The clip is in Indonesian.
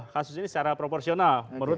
kasus ini secara proporsional menurut